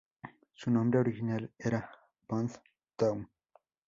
Su nombre original era "Pond Town".